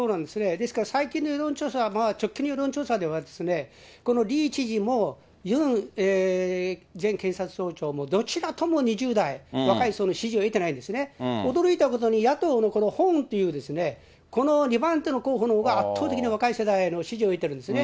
ですから、最近の世論調査は、まあ、直近の世論調査では、このイ知事もユン前検察総長もどちらとも２０台、若い層の支持を得てないんですね、驚いたことに、野党のホンっていうですね、この２番手の候補のほうが圧倒的に若い世代の支持を得てるんですね。